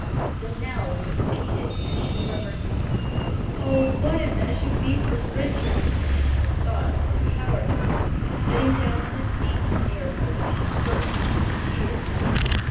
The knell was repeated, and she murmured, "Oh, what if that should be for Richard!" The thought overpowered her, and sitting down on a seat near her she burst into tears.